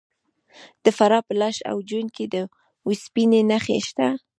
د فراه په لاش او جوین کې د وسپنې نښې شته.